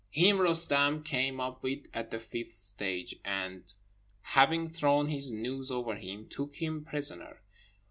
Him Roostem came up with at the fifth stage, and having thrown his noose over him, took him prisoner.